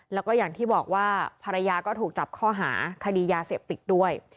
แล้วก็อย่างที่บอกว่าภรรยาก็ถูกจับข้อหาคดียาเสพติดด้วย